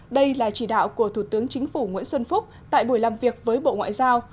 đây là chỉ đạo của thủ tướng chính phủ nguyễn xuân phúc tại buổi làm việc với bộ ngoại giao